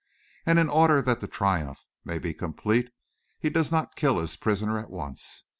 And, in order that the triumph may be complete, he does not kill his prisoner at once.